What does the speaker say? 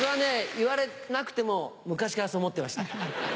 言われなくても昔からそう思ってましたから。